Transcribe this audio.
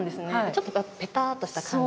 ちょっとペタっとした感じが。